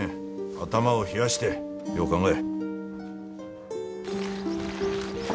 頭を冷やしてよう考ええ。